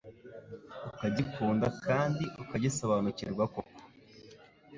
ukagikunda kandi ukagisobanukirwa koko